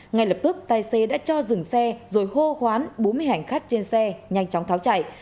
ngay lập tức tài xế đã cho dừng xe rồi hô hoán bốn mươi hành khách trên xe nhanh chóng tháo chạy